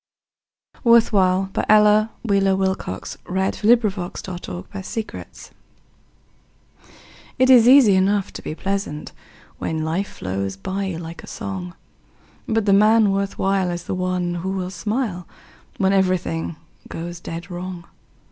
— Worth while1914Ella Wheeler Wilcox It is easy enough to be pleasant When life flows by like a song, But the man worth while is the one who will smile When everything goes dead wrong.